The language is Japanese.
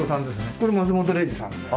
これ松本零士さんですね。